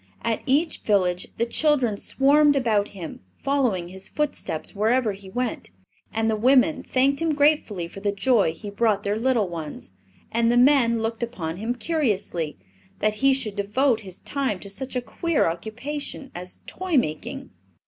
At each village the children swarmed about him, following his footsteps wherever he went; and the women thanked him gratefully for the joy he brought their little ones; and the men looked upon him curiously that he should devote his time to such a queer occupation as toy making.